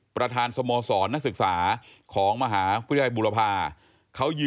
ประธานสมสรรณ์นักศึกษาของมหาผู้ใช้บุรพา